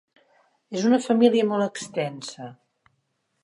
És una família molt extensa.